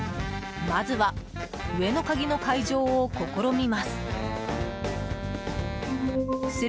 まずは、上の鍵の解錠を試みます。